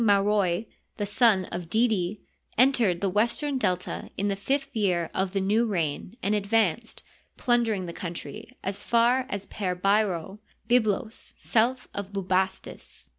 Marol, the son oiDidi, entered the western Delta in the fifth year of the new reign and advanced, plundering the coun try, as far as Per Bairo (Byblos, south of Bubastis).